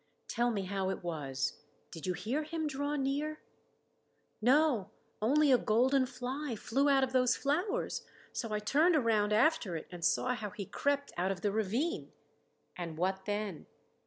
"Tell me how it was? Did you hear him draw near?" "No Only a golden fly flew out of those flowers. So I turned around after it and saw how he crept out of the ravine." "And what then?"